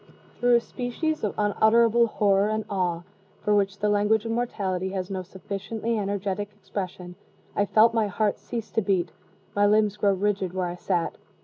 Through a species of unutterable horror and awe, for which the language of mortality has no sufficiently energetic expression, I felt my heart cease to beat, my limbs grow rigid where I sat.